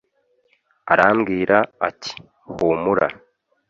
Arambwira ati humura